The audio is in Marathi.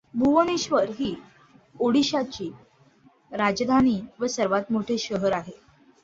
भुवनेश्वर ही ओडिशाची राजधानी व सर्वात मोठे शहर आहे.